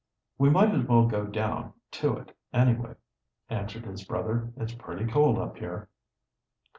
"We might as well go down to it, anyway," answered his brother. "It's pretty cold up here."